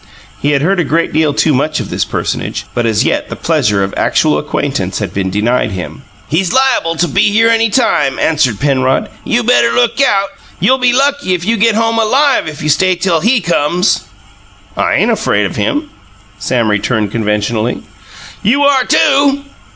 He had heard a great deal too much of this personage, but as yet the pleasure of actual acquaintance had been denied him. "He's liable to be here any time," answered Penrod. "You better look out. You'll be lucky if you get home alive, if you stay till HE comes." "I ain't afraid of him," Sam returned, conventionally. "You are, too!"